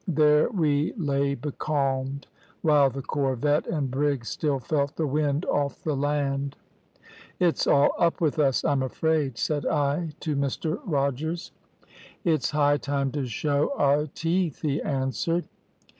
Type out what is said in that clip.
There we lay becalmed, while the corvette and brig still felt the wind off the land. "`It's all up with us, I'm afraid,' said I to Mr Rogers. "`It's high time to show our teeth,' he answered.